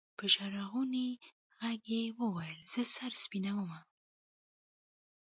په ژړغوني ږغ يې ويل زه سر سپينومه.